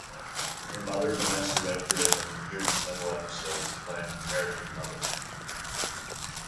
Her mother, Vanessa Redgrave, has appeared in several episodes, playing her character's mother.